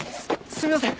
すみません。